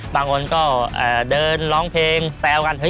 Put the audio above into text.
บางคนก็เดินร้องเพลงแซวกัน